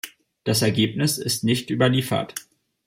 Das Ergebnis ist nicht überliefert.